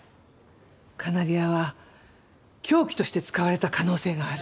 カナリアは凶器として使われた可能性がある。